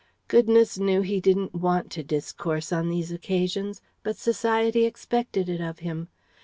Goodness knew that he didn't want to discourse on these occasions, but Society expected it of him.